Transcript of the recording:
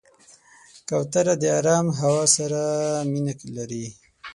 کوتره د آرام هوا سره مینه لري.